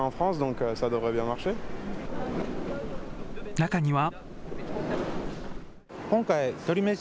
中には。